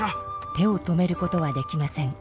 手を止めることはできません。